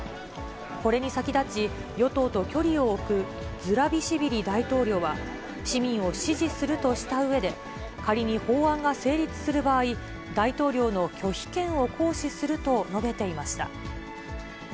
これに先立ち、与党と距離を置くズラビシビリ大統領は、市民を支持するとしたうえで、仮に法案が成立する場合、大統領の拒否権を行使すると述べていました。